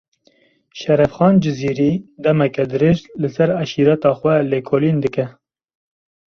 Şerefxan Cizîrî, demeke dirêj, li ser eşîreta xwe lêkolîn dike